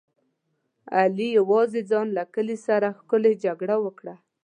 علي یوازې ځان له کلي سره ښکلې جګړه وکړه.